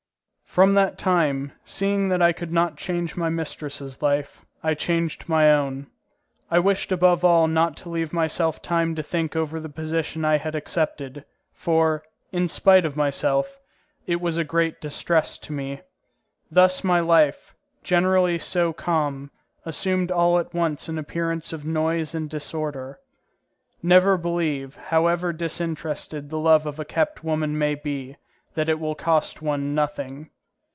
From that time, seeing that I could not change my mistress's life, I changed my own. I wished above all not to leave myself time to think over the position I had accepted, for, in spite of myself, it was a great distress to me. Thus my life, generally so calm, assumed all at once an appearance of noise and disorder. Never believe, however disinterested the love of a kept woman may be, that it will cost one nothing.